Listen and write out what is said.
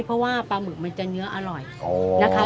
เพราะว่าปลาหมึกมันจะเนื้ออร่อยนะคะ